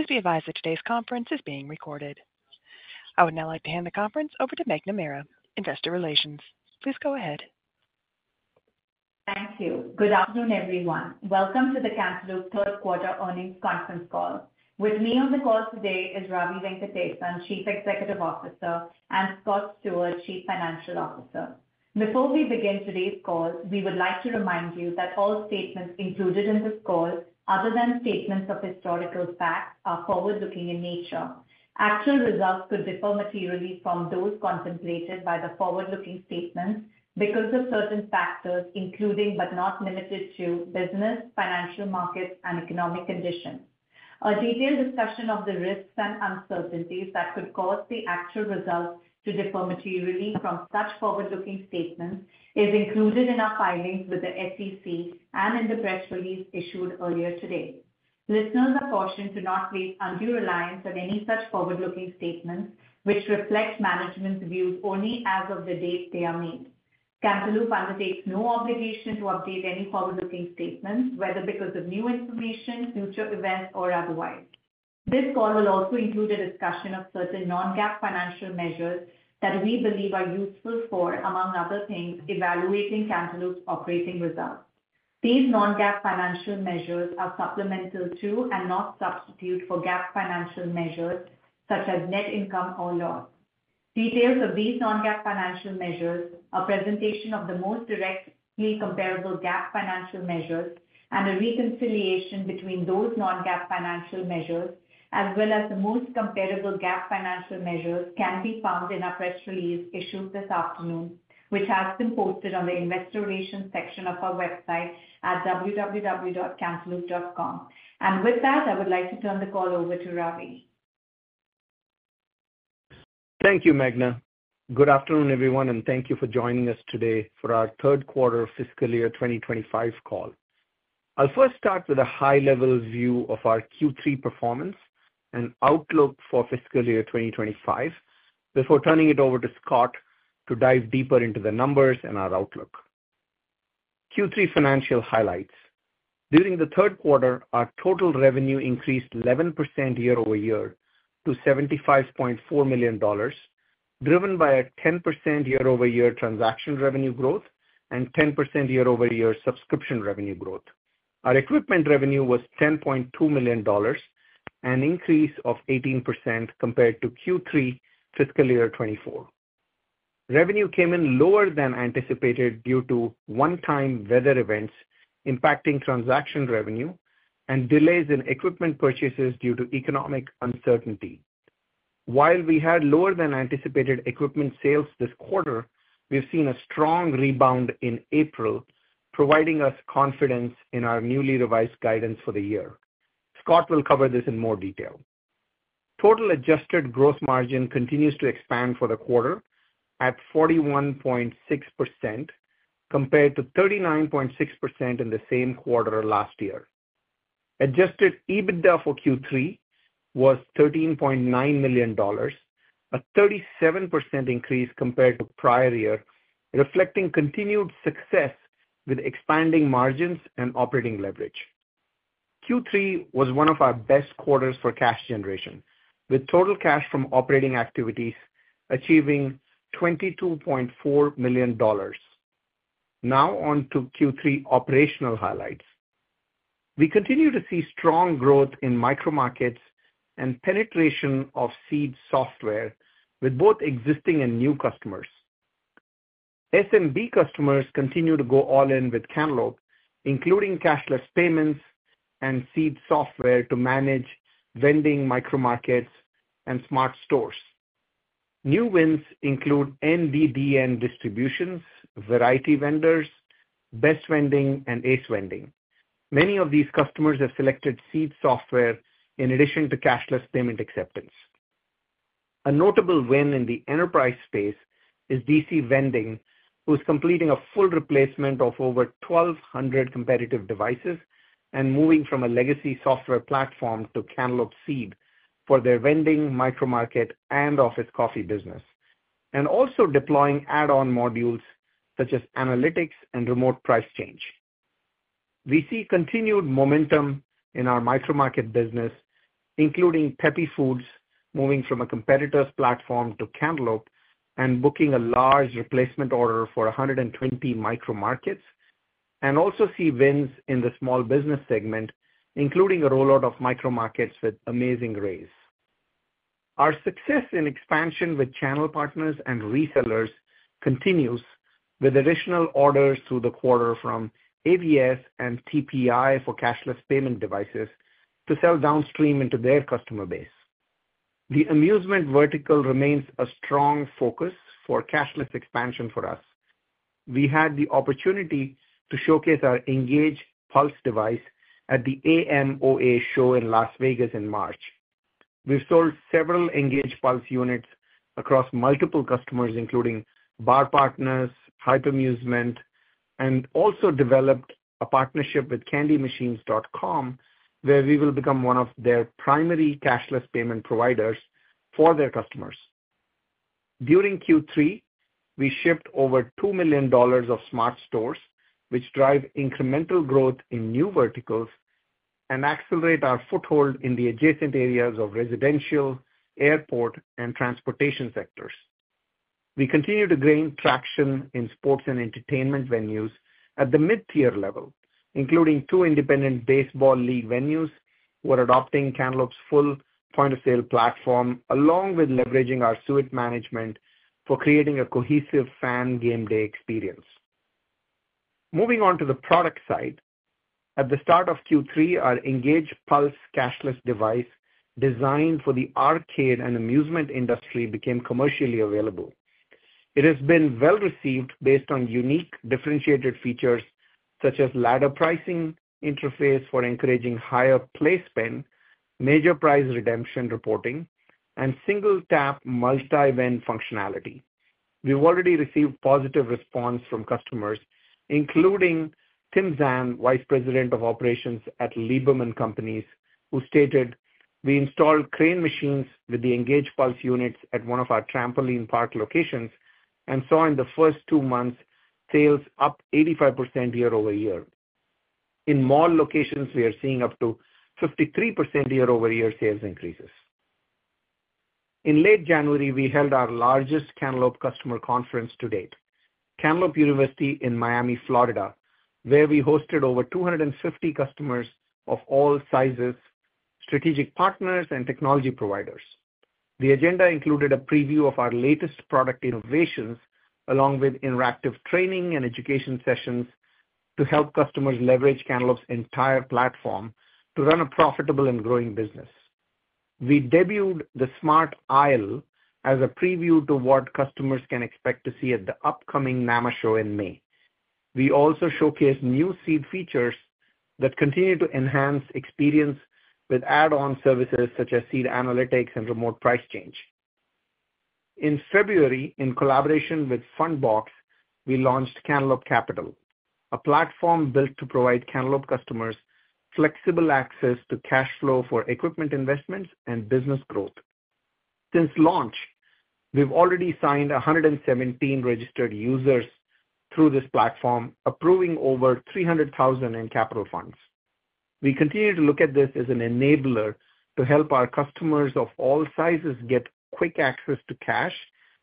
Please be advised that today's conference is being recorded. I would now like to hand the conference over to Meghna Mera, Investor Relations. Please go ahead. Thank you. Good afternoon, everyone. Welcome to the Cantaloupe third quarter earnings conference call. With me on the call today is Ravi Venkatesan, Chief Executive Officer, and Scott Stewart, Chief Financial Officer. Before we begin today's call, we would like to remind you that all statements included in this call, other than statements of historical fact, are forward-looking in nature. Actual results could differ materially from those contemplated by the forward-looking statements because of certain factors, including but not limited to, business, financial markets, and economic conditions. A detailed discussion of the risks and uncertainties that could cause the actual results to differ materially from such forward-looking statements is included in our filings with the SEC and in the press release issued earlier today. Listeners are cautioned to not place undue reliance on any such forward-looking statements, which reflect management's views only as of the date they are made. Cantaloupe undertakes no obligation to update any forward-looking statements, whether because of new information, future events, or otherwise. This call will also include a discussion of certain non-GAAP financial measures that we believe are useful for, among other things, evaluating Cantaloupe's operating results. These non-GAAP financial measures are supplemental to and not substitute for GAAP financial measures such as net income or loss. Details of these non-GAAP financial measures, a presentation of the most directly comparable GAAP financial measures, and a reconciliation between those non-GAAP financial measures, as well as the most comparable GAAP financial measures, can be found in our press release issued this afternoon, which has been posted on the Investor Relations section of our website at www.cantaloupe.com. With that, I would like to turn the call over to Ravi. Thank you, Meghna. Good afternoon, everyone, and thank you for joining us today for our third quarter fiscal year 2025 call. I'll first start with a high-level view of our Q3 performance and outlook for fiscal year 2025 before turning it over to Scott to dive deeper into the numbers and our outlook. Q3 financial highlights: During the third quarter, our total revenue increased 11% year-over-year to $75.4 million, driven by a 10% year-over-year transaction revenue growth and 10% year-over-year subscription revenue growth. Our equipment revenue was $10.2 million, an increase of 18% compared to Q3 fiscal year 2024. Revenue came in lower than anticipated due to one-time weather events impacting transaction revenue and delays in equipment purchases due to economic uncertainty. While we had lower-than-anticipated equipment sales this quarter, we've seen a strong rebound in April, providing us confidence in our newly revised guidance for the year. Scott will cover this in more detail. Total adjusted gross margin continues to expand for the quarter at 41.6% compared to 39.6% in the same quarter last year. Adjusted EBITDA for Q3 was $13.9 million, a 37% increase compared to prior year, reflecting continued success with expanding margins and operating leverage. Q3 was one of our best quarters for cash generation, with total cash from operating activities achieving $22.4 million. Now on to Q3 operational highlights. We continue to see strong growth in micro markets and penetration of Seed software with both existing and new customers. SMB customers continue to go all in with Cantaloupe, including cashless payments and Seed software to manage vending micro markets and SmartStores. New wins include NVDN Distributions, Variety Vendors, Best Vending, and Ace Vending. Many of these customers have selected Seed software in addition to cashless payment acceptance. A notable win in the enterprise space is DC Vending, who is completing a full replacement of over 1,200 competitive devices and moving from a legacy software platform to Cantaloupe Seed for their vending, micro market, and office coffee business, and also deploying add-on modules such as analytics and remote price change. We see continued momentum in our micro market business, including Peppi Foods moving from a competitor's platform to Cantaloupe and booking a large replacement order for 120 micro markets, and also see wins in the small business segment, including a rollout of micro markets with Amazing Raise. Our success in expansion with channel partners and resellers continues, with additional orders through the quarter from AVS and TPI for cashless payment devices to sell downstream into their customer base. The amusement vertical remains a strong focus for cashless expansion for us. We had the opportunity to showcase our Engage Pulse device at the AMOA show in Las Vegas in March. We've sold several Engage Pulse units across multiple customers, including Bar Partners, Hyperamusement, and also developed a partnership with CandyMachines.com, where we will become one of their primary cashless payment providers for their customers. During Q3, we shipped over $2 million of SmartStores, which drive incremental growth in new verticals and accelerate our foothold in the adjacent areas of residential, airport, and transportation sectors. We continue to gain traction in sports and entertainment venues at the mid-tier level, including two independent baseball league venues who are adopting Cantaloupe's full point-of-sale platform, along with leveraging our suite management for creating a cohesive fan game day experience. Moving on to the product side, at the start of Q3, our Engage Pulse cashless device designed for the arcade and amusement industry became commercially available. It has been well received based on unique differentiated features such as ladder pricing interface for encouraging higher play spend, major prize redemption reporting, and single-tap multi-ven functionality. We've already received positive responses from customers, including Tim Zan, Vice President of Operations at Lieberman Companies, who stated, "We installed crane machines with the Engage Pulse units at one of our trampoline park locations and saw in the first two months sales up 85% year-over-year. In mall locations, we are seeing up to 53% year-over-year sales increases." In late January, we held our largest Cantaloupe customer conference to date, Cantaloupe University in Miami, Florida, where we hosted over 250 customers of all sizes, strategic partners, and technology providers. The agenda included a preview of our latest product innovations, along with interactive training and education sessions to help customers leverage Cantaloupe's entire platform to run a profitable and growing business. We debuted the Smart Aisle as a preview to what customers can expect to see at the upcoming NAMA show in May. We also showcased new Seed features that continue to enhance experience with add-on services such as Seed Analytics and remote price change. In February, in collaboration with Fundbox, we launched Cantaloupe Capital, a platform built to provide Cantaloupe customers flexible access to cash flow for equipment investments and business growth. Since launch, we've already signed 117 registered users through this platform, approving over $300,000 in capital funds. We continue to look at this as an enabler to help our customers of all sizes get quick access to cash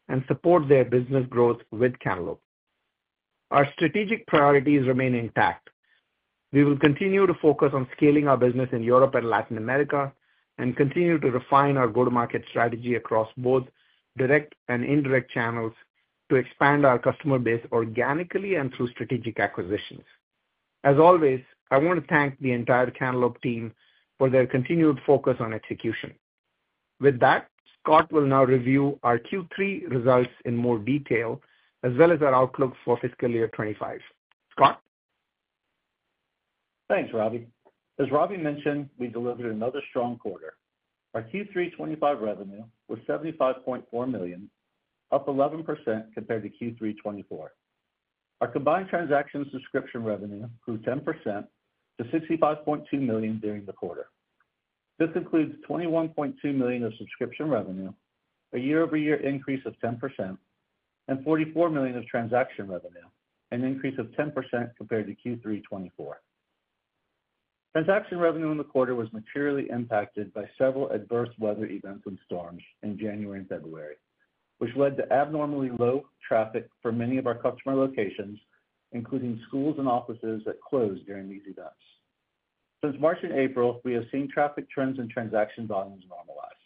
and support their business growth with Cantaloupe. Our strategic priorities remain intact. We will continue to focus on scaling our business in Europe and Latin America and continue to refine our go-to-market strategy across both direct and indirect channels to expand our customer base organically and through strategic acquisitions. As always, I want to thank the entire Cantaloupe team for their continued focus on execution. With that, Scott will now review our Q3 results in more detail, as well as our outlook for fiscal year 2025. Scott? Thanks, Ravi. As Ravi mentioned, we delivered another strong quarter. Our Q3 2025 revenue was $75.4 million, up 11% compared to Q3 2024. Our combined transaction subscription revenue grew 10% to $65.2 million during the quarter. This includes $21.2 million of subscription revenue, a year-over-year increase of 10%, and $44 million of transaction revenue, an increase of 10% compared to Q3 2024. Transaction revenue in the quarter was materially impacted by several adverse weather events and storms in January and February, which led to abnormally low traffic for many of our customer locations, including schools and offices that closed during these events. Since March and April, we have seen traffic trends and transaction volumes normalize.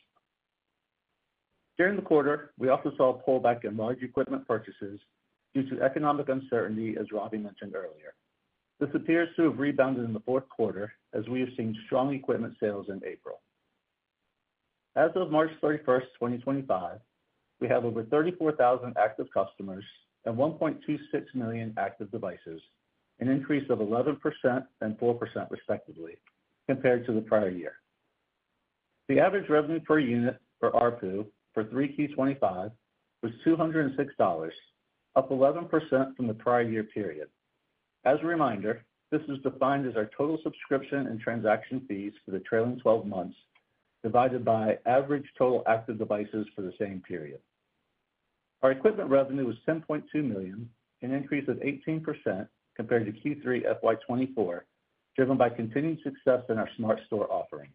During the quarter, we also saw a pullback in large equipment purchases due to economic uncertainty, as Ravi mentioned earlier. This appears to have rebounded in the fourth quarter, as we have seen strong equipment sales in April. As of March 31, 2025, we have over 34,000 active customers and 1.26 million active devices, an increase of 11% and 4%, respectively, compared to the prior year. The average revenue per unit, or RPU, for Q3 2025 was $206, up 11% from the prior year period. As a reminder, this is defined as our total subscription and transaction fees for the trailing 12 months divided by average total active devices for the same period. Our equipment revenue was $10.2 million, an increase of 18% compared to Q3 FY 2024, driven by continued success in our smart store offering.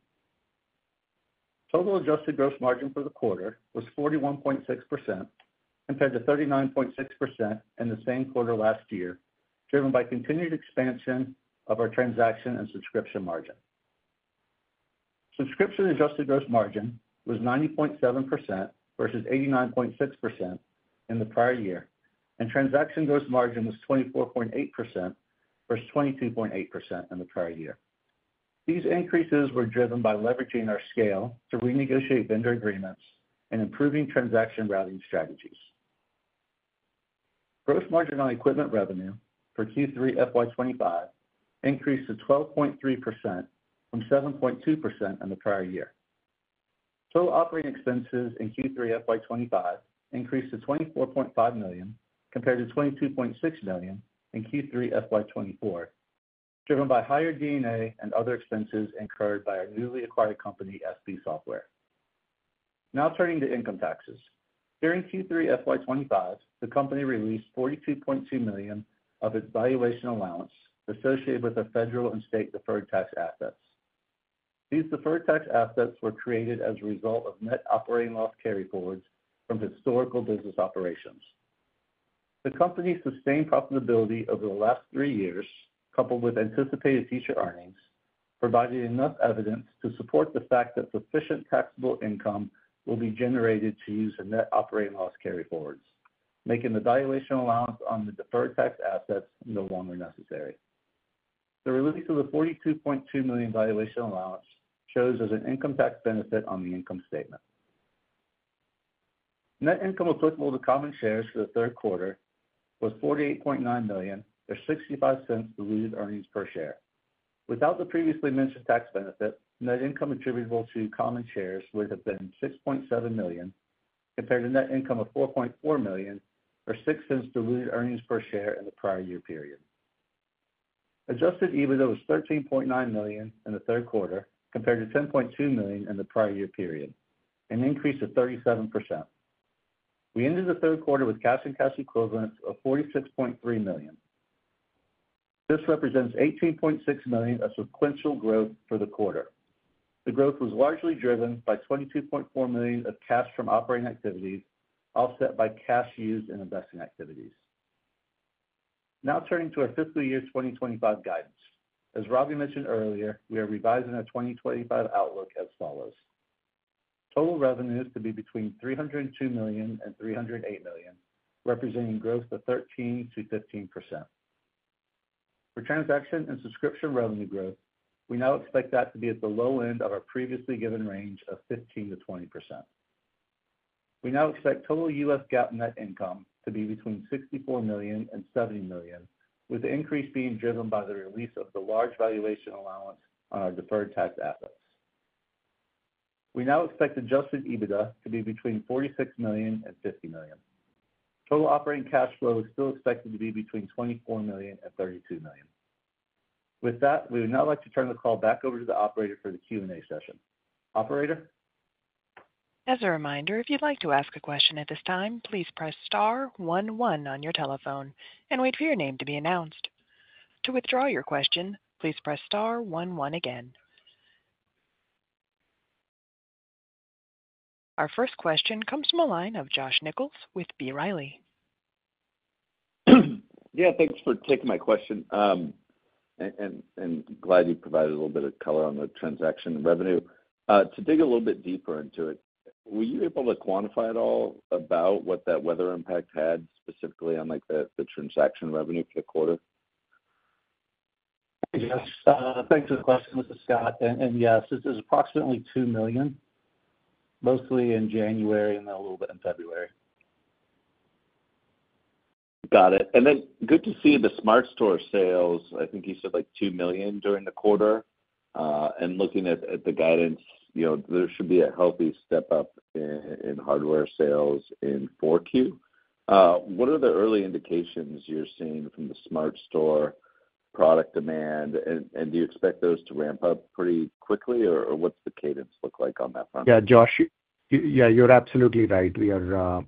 Total adjusted gross margin for the quarter was 41.6% compared to 39.6% in the same quarter last year, driven by continued expansion of our transaction and subscription margin. Subscription adjusted gross margin was 90.7% versus 89.6% in the prior year, and transaction gross margin was 24.8% versus 22.8% in the prior year. These increases were driven by leveraging our scale to renegotiate vendor agreements and improving transaction routing strategies. Gross margin on equipment revenue for Q3 FY 2025 increased to 12.3% from 7.2% in the prior year. Total operating expenses in Q3 FY 2025 increased to $24.5 million compared to $22.6 million in Q3 FY 2024, driven by higher R&D and other expenses incurred by our newly acquired company, SB Software. Now turning to income taxes. During Q3 FY 2025, the company released $42.2 million of its valuation allowance associated with federal and state deferred tax assets. These deferred tax assets were created as a result of net operating loss carry forwards from historical business operations. The company's sustained profitability over the last three years, coupled with anticipated future earnings, provided enough evidence to support the fact that sufficient taxable income will be generated to use the net operating loss carry forwards, making the valuation allowance on the deferred tax assets no longer necessary. The release of the $42.2 million valuation allowance shows as an income tax benefit on the income statement. Net income applicable to common shares for the third quarter was $48.9 million, or $0.65 diluted earnings per share. Without the previously mentioned tax benefit, net income attributable to common shares would have been $6.7 million compared to net income of $4.4 million, or $0.06 diluted earnings per share in the prior year period. Adjusted EBITDA was $13.9 million in the third quarter compared to $10.2 million in the prior year period, an increase of 37%. We ended the third quarter with cash and cash equivalents of $46.3 million. This represents $18.6 million of sequential growth for the quarter. The growth was largely driven by $22.4 million of cash from operating activities offset by cash used in investing activities. Now turning to our fiscal year 2025 guidance. As Ravi mentioned earlier, we are revising our 2025 outlook as follows. Total revenues could be between $302 million and $308 million, representing growth of 13%-15%. For transaction and subscription revenue growth, we now expect that to be at the low end of our previously given range of 15%-20%. We now expect total U.S. GAAP net income to be between $64 million and $70 million, with the increase being driven by the release of the large valuation allowance on our deferred tax assets. We now expect adjusted EBITDA to be between $46 million and $50 million. Total operating cash flow is still expected to be between $24 million and $32 million. With that, we would now like to turn the call back over to the operator for the Q&A session. Operator? As a reminder, if you'd like to ask a question at this time, please press star 11 on your telephone and wait for your name to be announced. To withdraw your question, please press star 11 again. Our first question comes from a line of Josh Nichols with B. Riley. Yeah, thanks for taking my question. Glad you provided a little bit of color on the transaction revenue. To dig a little bit deeper into it, were you able to quantify at all about what that weather impact had specifically on the transaction revenue for the quarter? Yes. Thanks for the question, Mr. Scott. Yes, this is approximately $2 million, mostly in January and then a little bit in February. Got it. Good to see the smart store sales, I think you said like $2 million during the quarter. Looking at the guidance, there should be a healthy step up in hardware sales in Q4. What are the early indications you're seeing from the smart store product demand? Do you expect those to ramp up pretty quickly, or what's the cadence look like on that front? Yeah, Josh, yeah, you're absolutely right. We are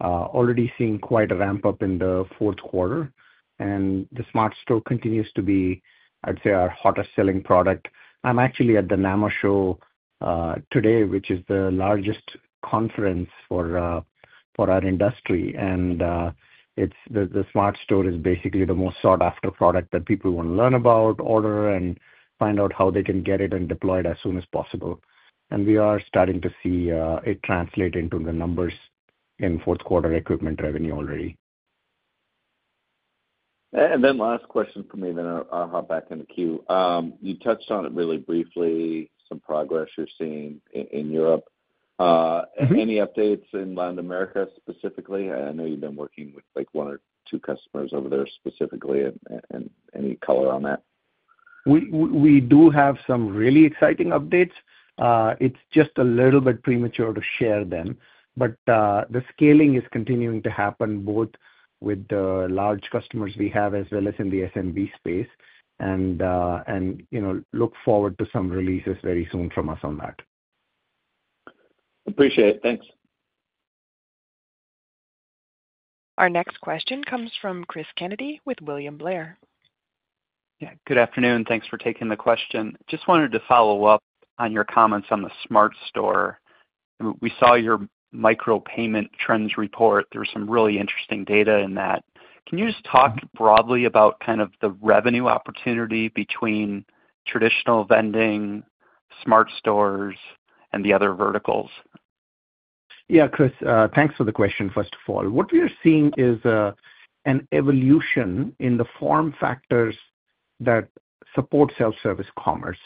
already seeing quite a ramp up in the fourth quarter. The SmartStore continues to be, I'd say, our hottest selling product. I'm actually at the NAMA show today, which is the largest conference for our industry. The SmartStore is basically the most sought-after product that people want to learn about, order, and find out how they can get it and deploy it as soon as possible. We are starting to see it translate into the numbers in fourth quarter equipment revenue already. Last question for me, then I'll hop back in the queue. You touched on it really briefly, some progress you're seeing in Europe. Any updates in Latin America specifically? I know you've been working with one or two customers over there specifically. Any color on that? We do have some really exciting updates. It is just a little bit premature to share them. The scaling is continuing to happen both with the large customers we have as well as in the SMB space. Look forward to some releases very soon from us on that. Appreciate it. Thanks. Our next question comes from Chris Kennedy with William Blair. Yeah, good afternoon. Thanks for taking the question. Just wanted to follow up on your comments on the smart store. We saw your micropayment trends report. There was some really interesting data in that. Can you just talk broadly about kind of the revenue opportunity between traditional vending, SmartStores, and the other verticals? Yeah, Chris, thanks for the question, first of all. What we are seeing is an evolution in the form factors that support self-service commerce.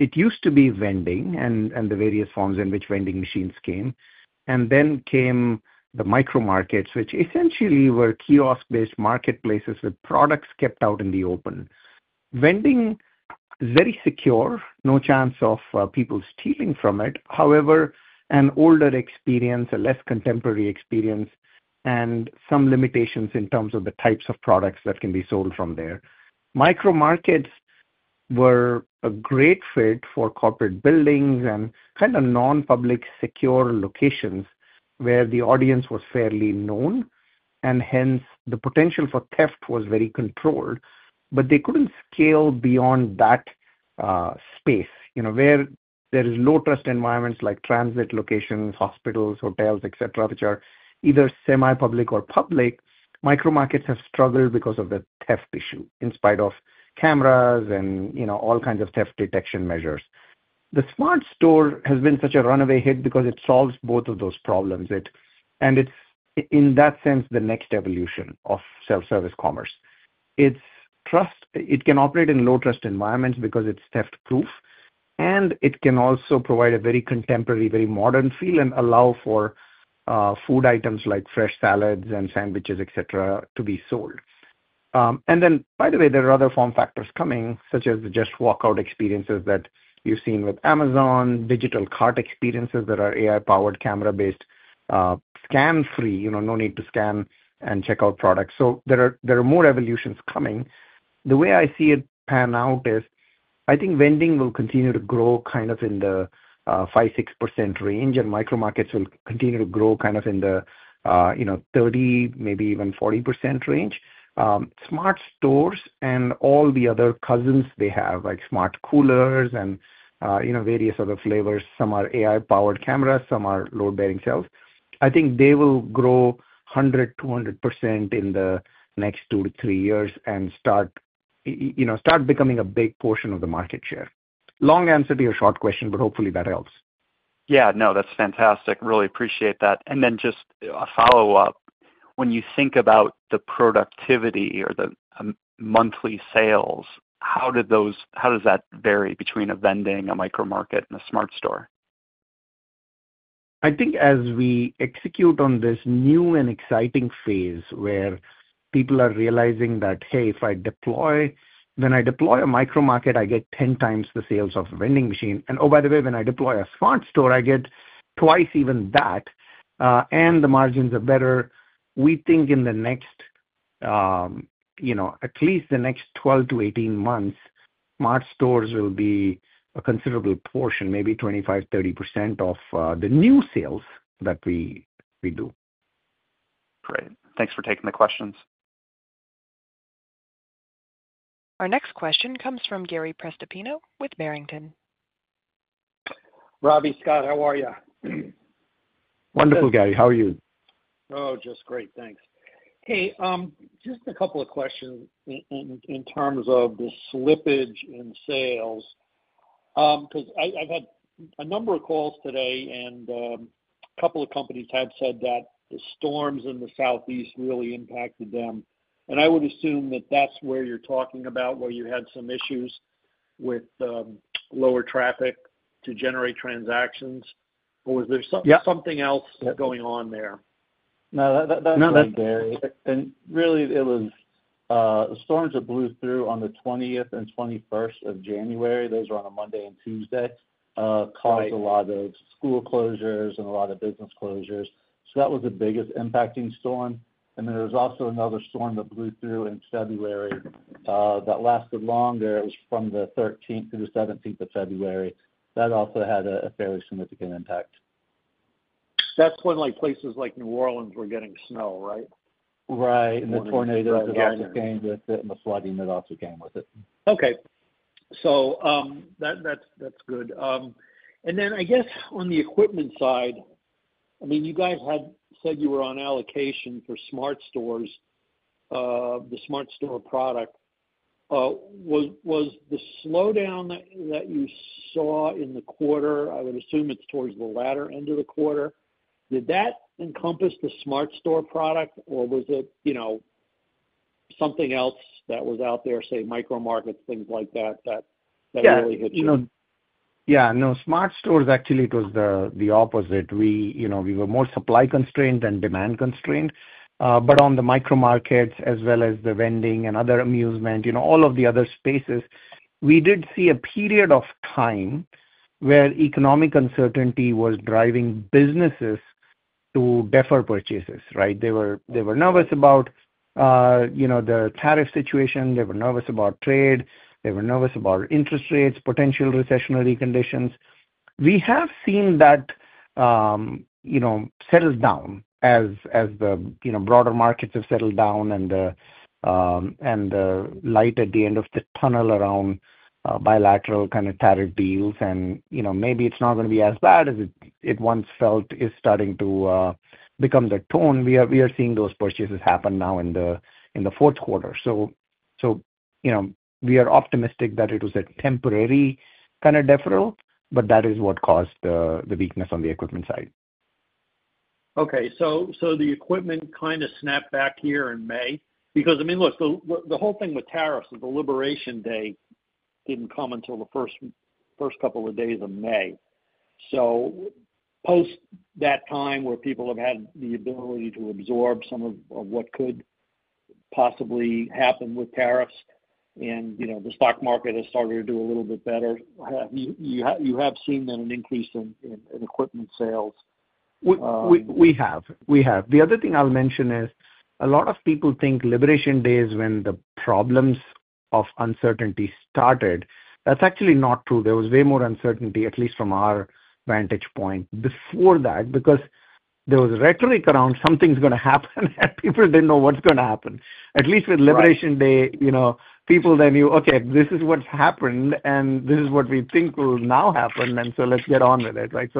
It used to be vending and the various forms in which vending machines came. Then came the micro-markets, which essentially were kiosk-based marketplaces with products kept out in the open. Vending is very secure, no chance of people stealing from it. However, an older experience, a less contemporary experience, and some limitations in terms of the types of products that can be sold from there. Micro-markets were a great fit for corporate buildings and kind of non-public secure locations where the audience was fairly known. Hence, the potential for theft was very controlled. But they couldn't scale beyond that space. Where there are low-trust environments like transit locations, hospitals, hotels, etc., which are either semi-public or public, micro-markets have struggled because of the theft issue in spite of cameras and all kinds of theft detection measures. The smart store has been such a runaway hit because it solves both of those problems. It is, in that sense, the next evolution of self-service commerce. It can operate in low-trust environments because it is theft-proof. It can also provide a very contemporary, very modern feel and allow for food items like fresh salads and sandwiches, etc., to be sold. By the way, there are other form factors coming, such as the just walkout experiences that you have seen with Amazon, digital cart experiences that are AI-powered, camera-based, scan-free, no need to scan and check out products. There are more evolutions coming. The way I see it pan out is I think vending will continue to grow kind of in the 5-6% range, and micro markets will continue to grow kind of in the 30, maybe even 40% range. SmartStores and all the other cousins they have, like smart coolers and various other flavors, some are AI-powered cameras, some are load-bearing cells, I think they will grow 100-200% in the next two to three years and start becoming a big portion of the market share. Long answer to your short question, but hopefully that helps. Yeah, no, that's fantastic. Really appreciate that. And then just a follow-up. When you think about the productivity or the monthly sales, how does that vary between a vending, a micro market, and a smart store? I think as we execute on this new and exciting phase where people are realizing that, hey, if I deploy, when I deploy a micro market, I get 10 times the sales of a vending machine. Oh, by the way, when I deploy a smart store, I get twice even that. The margins are better. We think in at least the next 12-18 months, SmartStores will be a considerable portion, maybe 25-30% of the new sales that we do. Great. Thanks for taking the questions. Our next question comes from Gary Prestopino with Barrington. Ravi, Scott, how are you? Wonderful, Gary. How are you? Oh, just great. Thanks. Hey, just a couple of questions in terms of the slippage in sales. Because I've had a number of calls today, and a couple of companies have said that the storms in the Southeast really impacted them. I would assume that that's where you're talking about, where you had some issues with lower traffic to generate transactions. Or was there something else going on there? No, that's Gary. It was the storms that blew through on the 20th and 21st of January. Those were on a Monday and Tuesday. Caused a lot of school closures and a lot of business closures. That was the biggest impacting storm. There was also another storm that blew through in February that lasted longer. It was from the 13th to the 17th of February. That also had a fairly significant impact. That's when places like New Orleans were getting snow, right? Right. The tornadoes that also came with it and the flooding that also came with it. Okay. So that's good. I mean, you guys had said you were on allocation for SmartStores, the SmartStore product. Was the slowdown that you saw in the quarter, I would assume it's towards the latter end of the quarter, did that encompass the Smart Store product? Or was it something else that was out there, say, micro-markets, things like that, that really hit you? Yeah. No, SmartStores, actually, it was the opposite. We were more supply constrained than demand constrained. On the micro-markets, as well as the vending and other amusement, all of the other spaces, we did see a period of time where economic uncertainty was driving businesses to defer purchases, right? They were nervous about the tariff situation. They were nervous about trade. They were nervous about interest rates, potential recessionary conditions. We have seen that settle down as the broader markets have settled down and the light at the end of the tunnel around bilateral kind of tariff deals. Maybe it's not going to be as bad as it once felt is starting to become the tone. We are seeing those purchases happen now in the fourth quarter. We are optimistic that it was a temporary kind of deferral, but that is what caused the weakness on the equipment side. Okay. So the equipment kind of snapped back here in May. Because, I mean, look, the whole thing with tariffs is the liberation day did not come until the first couple of days of May. Post that time where people have had the ability to absorb some of what could possibly happen with tariffs and the stock market has started to do a little bit better, you have seen an increase in equipment sales. We have. The other thing I'll mention is a lot of people think liberation day is when the problems of uncertainty started. That's actually not true. There was way more uncertainty, at least from our vantage point, before that, because there was rhetoric around something's going to happen and people didn't know what's going to happen. At least with liberation day, people then knew, okay, this is what's happened and this is what we think will now happen. Let's get on with it, right?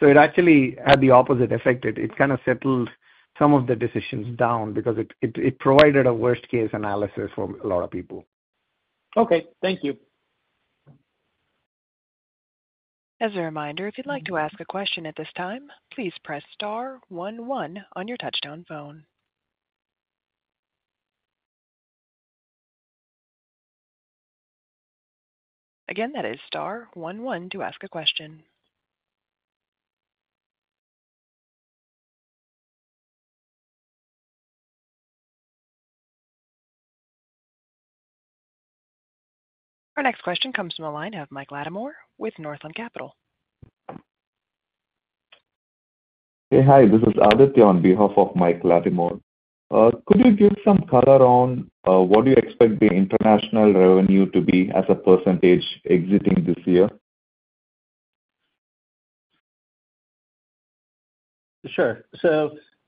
It actually had the opposite effect. It kind of settled some of the decisions down because it provided a worst-case analysis for a lot of people. Okay. Thank you. As a reminder, if you'd like to ask a question at this time, please press star 11 on your touchtone phone. Again, that is star 11 to ask a question. Our next question comes from a line of Mike Lattimore with Northland Capital. Hey, hi. This is Aditya on behalf of Mike Lattimore. Could you give some color on what do you expect the international revenue to be as a percentage exiting this year? Sure.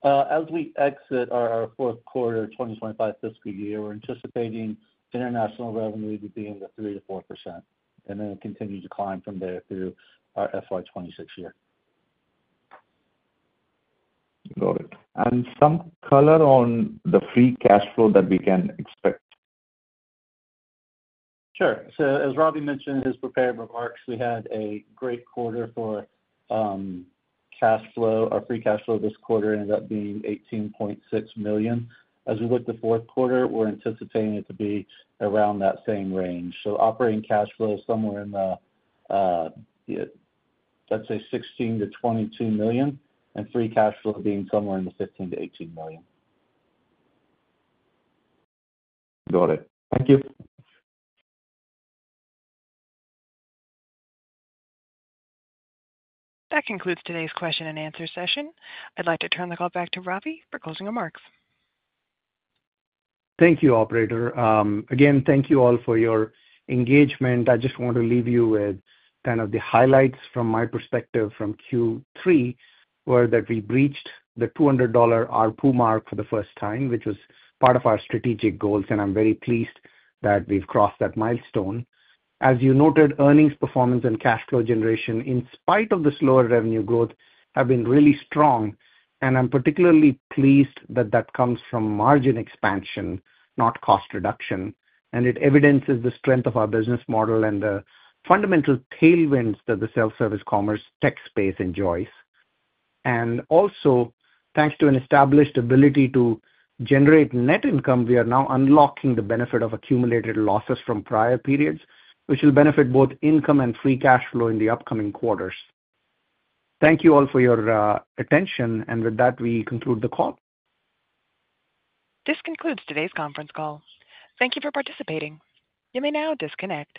As we exit our fourth quarter 2025 fiscal year, we're anticipating international revenue to be in the 3-4%. Then continue to climb from there through our FY2026 year. Got it. Some color on the free cash flow that we can expect? Sure. As Ravi mentioned in his prepared remarks, we had a great quarter for cash flow. Our free cash flow this quarter ended up being $18.6 million. As we look at the fourth quarter, we are anticipating it to be around that same range. Operating cash flow is somewhere in the, let's say, $16-$22 million, and free cash flow being somewhere in the $15-$18 million. Got it. Thank you. That concludes today's question and answer session. I'd like to turn the call back to Ravi for closing remarks. Thank you, Operator. Again, thank you all for your engagement. I just want to leave you with kind of the highlights from my perspective from Q3, where we breached the $200 RPU mark for the first time, which was part of our strategic goals. I'm very pleased that we've crossed that milestone. As you noted, earnings, performance, and cash flow generation, in spite of the slower revenue growth, have been really strong. I'm particularly pleased that that comes from margin expansion, not cost reduction. It evidences the strength of our business model and the fundamental tailwinds that the self-service commerce tech space enjoys. Also, thanks to an established ability to generate net income, we are now unlocking the benefit of accumulated losses from prior periods, which will benefit both income and free cash flow in the upcoming quarters. Thank you all for your attention. With that, we conclude the call. This concludes today's conference call. Thank you for participating. You may now disconnect.